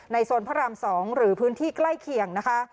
โซนพระราม๒หรือพื้นที่ใกล้เคียงนะคะ